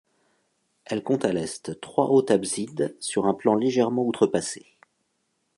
Elle comptent à l'Est trois hautes absides sur un plan légèrement outrepassé.